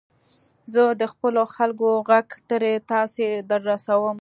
زه د خپلو خلکو ږغ تر تاسي در رسوم.